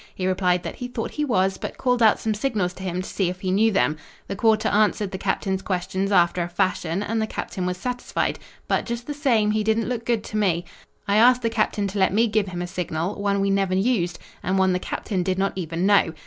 He replied that he thought he was, but called out some signals to him to see if he knew them. The quarter answered the captain's questions after a fashion and the captain was satisfied, but, just the same, he didn't look good to me. I asked the captain to let me give him a signal; one we never used, and one the captain did not even know.